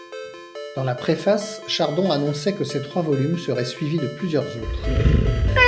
Dans la préface, Chardon annonçait que ces trois volumes seraient suivis de plusieurs autres.